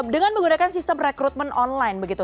dengan menggunakan sistem rekrutmen online begitu